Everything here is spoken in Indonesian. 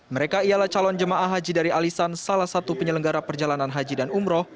mereka ialah calon jemaah haji dari alisan salah satu penyelenggara perjalanan haji dan umroh